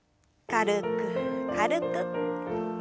軽く軽く。